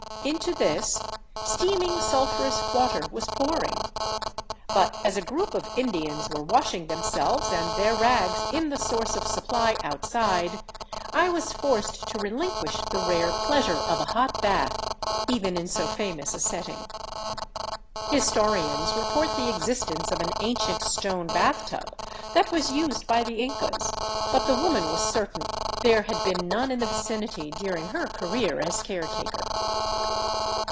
Into this steaming sulphurous water was pouring. But as a group of Indians were washing themselves and their rags in the source of supply outside, I was forced to rehnquish the rare pleasure of a hot bath, even in so famous a setting. His torians report the existence of an ancient stone bathtub that was used by the Incas, but the woman was certain there had been none in the vicinity during her career as caretaker.